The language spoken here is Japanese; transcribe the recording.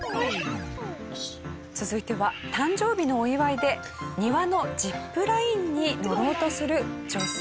続いては誕生日のお祝いで庭のジップラインに乗ろうとする女性。